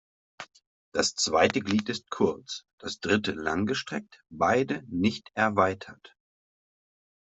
Das zweite Glied ist kurz, das dritte langgestreckt, beide nicht erweitert.